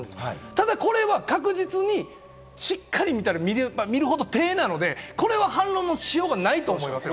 ただこれは確実にしっかり見たら、見れば見るほど手なので、これは反論のしようがないと思います。